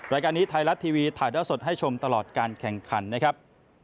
รายการนี้ไทยรัฐทีวีถ่ายเท่าสดให้ชมตลอดการแข่งขันนะครับ